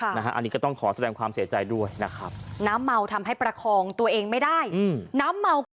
อันนี้ก็ต้องขอแสดงความเสียใจด้วยนะครับ